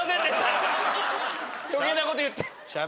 余計な事言って。